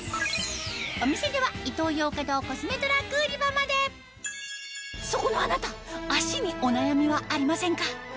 お店ではそこのあなた足にお悩みはありませんか？